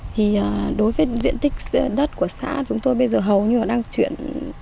thì đối với diện tích đất của xã chúng tôi bây giờ hầu như là đang chuyển